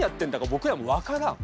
僕らも分からん。